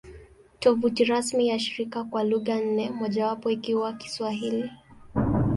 Tovuti rasmi ya shirika kwa lugha nne, mojawapo ikiwa Kiswahili